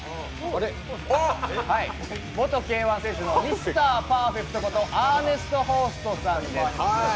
元Ｋ−１選手のミスター・パーフェクトことアーネスト・ホーストさんです。